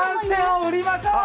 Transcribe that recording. ３点を売りましょう。